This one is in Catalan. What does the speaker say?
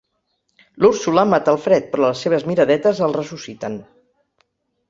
L'Úrsula mata el Fred però les seves miradetes el ressusciten.